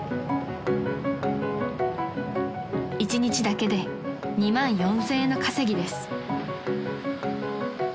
［一日だけで２万４，０００円の稼ぎです］